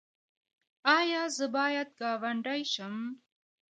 ایا زه باید ګاونډی شم؟